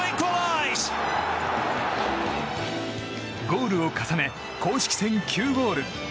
ゴールを重ね公式戦９ゴール。